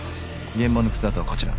現場の靴跡はこちら。